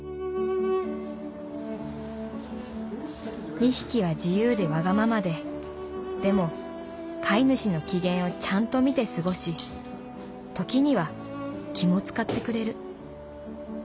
「２匹は自由でわがままででも飼い主の機嫌をちゃんと見て過ごし時には気も遣ってくれる。